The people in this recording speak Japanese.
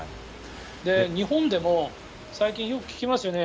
日本でも最近よく聞きますよね。